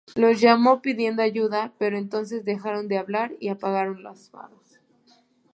Los llamó pidiendo ayuda, pero entonces dejaron de hablar y apagaron los faros.